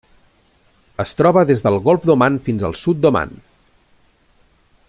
Es troba des del Golf d'Oman fins al sud d'Oman.